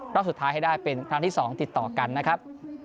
รอบสุดท้ายให้ได้เป็นครั้งที่๒ติดต่อกันนะครับ